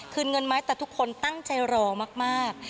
เงินไหมแต่ทุกคนตั้งใจรอมาก